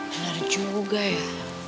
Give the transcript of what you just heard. bener juga ya